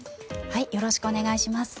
よろしくお願いします。